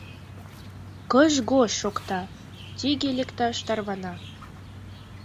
Кыж-гож шокта, тӱгӧ лекташ тарвана.